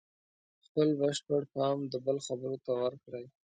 خپل بشپړ پام د بل خبرو ته ورکړئ.